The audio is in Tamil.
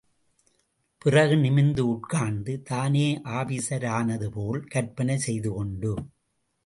பிறகு நிமிர்ந்து உட்கார்ந்து, தானே ஆபீஸரானதுபோல் கற்பனை செய்துகொண்டு.